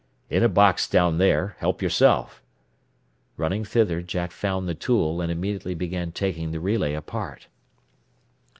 "In a box down there. Help yourself." Running thither Jack found the tool, and immediately began taking the relay apart.